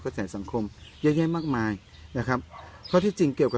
ใส่สังคมเยอะแยะมากมายนะครับข้อที่จริงเกี่ยวกับ